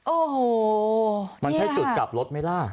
โอ้โหมันใช่จุดกลับรถไหมล่ะ